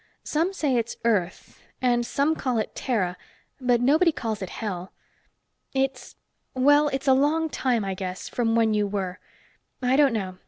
Some say it's Earth and some call it Terah, but nobody calls it Hell. It's well, it's a long time, I guess from when you were. I don't know.